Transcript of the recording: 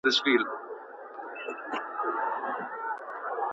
ایا ملي بڼوال خندان پسته اخلي؟